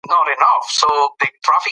د مشرتابه ژبه اغېز لري